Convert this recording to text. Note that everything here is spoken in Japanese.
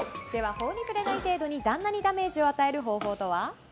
法に触れない程度に旦那にダメージを与える方法とは？